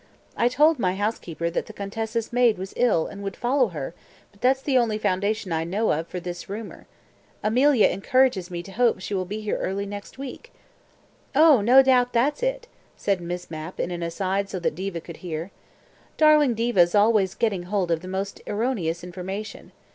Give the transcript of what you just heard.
I told my housekeeper that the Contessa's maid was ill, and would follow her, but that's the only foundation I know of for this rumour. Amelia encourages me to hope that she will be here early next week." "Oh, no doubt that's it!" said Miss Mapp in an aside so that Diva could hear. "Darling Diva's always getting hold of the most erroneous information.